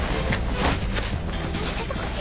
もうちょっとこっち。